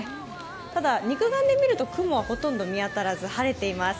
ただ、肉眼で見ると雲はほとんど見当たらず、晴れています。